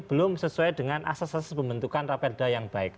belum sesuai dengan asas asas pembentukan raperda yang baik